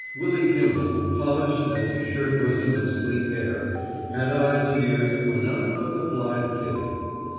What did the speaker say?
Willy Kimball, polished as to shirt bosom and sleek hair, had eyes and ears for none but the blithe Kitty.